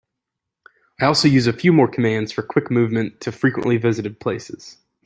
I also use a few more commands for quick movement to frequently visited places.